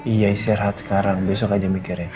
iya isirat sekarang besok aja mikir ya